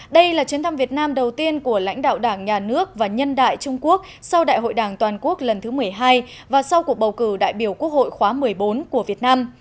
đây là chuyến thăm việt nam đầu tiên của lãnh đạo đảng nhà nước và nhân đại trung quốc sau đại hội đảng toàn quốc lần thứ một mươi hai và sau cuộc bầu cử đại biểu quốc hội khóa một mươi bốn của việt nam